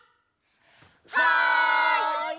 はい！